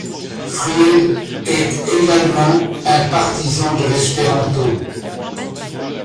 Fried est également un partisan de l'espéranto.